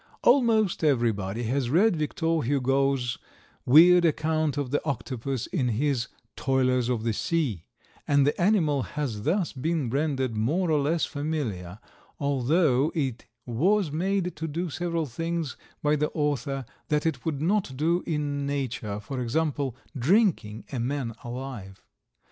Almost everybody has read Victor Hugo's weird account of the octopus in his "Toilers of the Sea," and the animal has thus been rendered more or less familiar, although it was made to do several things by the author that it would not do in nature, as, for example, "drinking" a man alive.